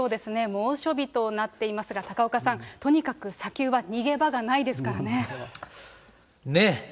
猛暑日となっていますが、高岡さん、とにかく砂丘は逃げ場がないですからね。ね。